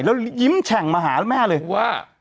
แล้วยิ้มแฉ่งมาหาแม่เลยว่า